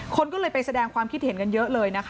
คนก็เลยไปแสดงความคิดเห็นกันเยอะเลยนะคะ